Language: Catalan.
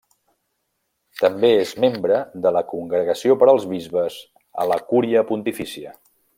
També és membre de la Congregació per als Bisbes a la Cúria pontifícia.